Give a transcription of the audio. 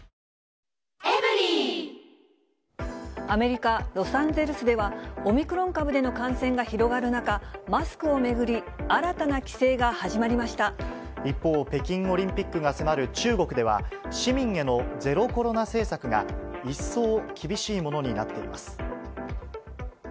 アメリカ・ロサンゼルスでは、オミクロン株での感染が広がる中、マスクを巡り、一方、北京オリンピックが迫る中国では、市民へのゼロコロナ政策が一層厳しいものになっています。